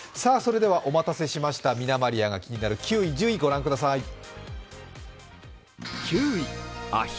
それではお待たせしました、みなまりあが気になる９位、１０位御覧ください。